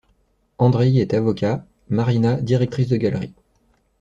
Andreï est avocat, Marina directrice de galerie.